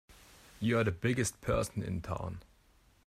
You're the biggest person in town!